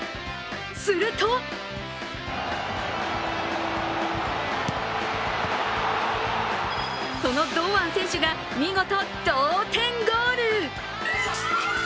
するとその堂安選手が見事同点ゴール。